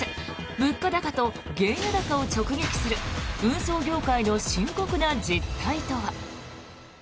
物価高と原油高を直撃する運送業界の深刻な実態とは。